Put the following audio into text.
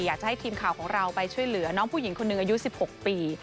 อยากจะให้ทีมข่าวของเราไปช่วยเหลือน้องผู้หญิงคนหนึ่งอายุ๑๖ปี